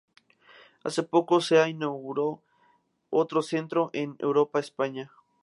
Hace poco se ha inauguró otro centro en Europa España.